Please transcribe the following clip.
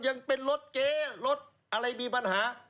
ยังเป็นรถเก๊รถอะไรมีปัญหา